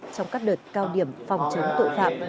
trong các đợt cao điểm phòng chống tội phạm